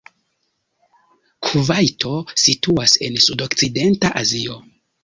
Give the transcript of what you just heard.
Kuvajto situas en sudokcidenta Azio.